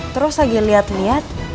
terus lagi liat liat